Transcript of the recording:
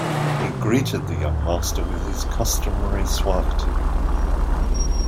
He greeted the young master with his customary suavity.